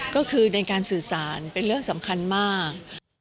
ก็คือในการสื่อสารเป็นเรื่องสำคัญมาก